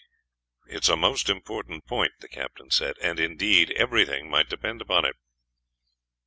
"It is a most important point," the captain said: "and indeed, everything might depend upon it."